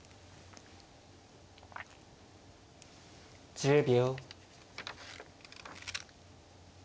１０秒。